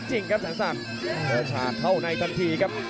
หลัยสิบตัวพ้ักกับอีกทีครับ